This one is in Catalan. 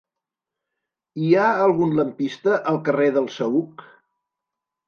Hi ha algun lampista al carrer del Saüc?